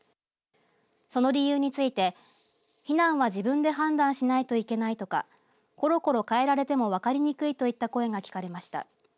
その理由について避難は自分で判断しないといけないとかころころ変えられても分かりにくいといった声が聞かれました。